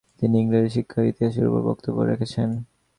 তিনি ইংরেজি শিক্ষার ইতিহাসের উপর বক্তব্য রেখেছেন।